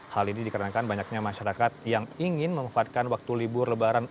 hal ini dikarenakan banyaknya masyarakat yang ingin memanfaatkan waktu libur lebaran